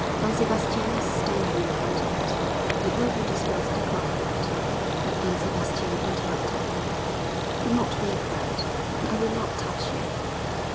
Don Sebastian was standing in front of it. He opened his mouth to cry out, but Don Sebastian interrupted him. 'Do not be afraid! I will not touch you.'